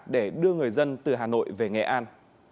để đưa người dân từ hà nội về nghệ an